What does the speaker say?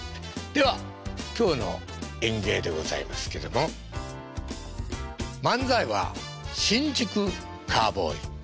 では今日の演芸でございますけども漫才は新宿カウボーイ。